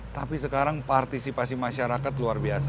tapi sekarang partisipasi masyarakat luar biasa